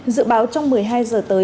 dự báo trong một mươi hai giờ tới